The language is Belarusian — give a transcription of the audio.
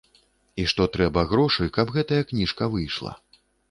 І што трэба грошы, каб гэтая кніжка выйшла.